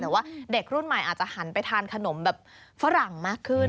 แต่ว่าเด็กรุ่นใหม่อาจจะหันไปทานขนมแบบฝรั่งมากขึ้น